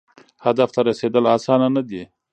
هدف ته رسیدل اسانه نه دي.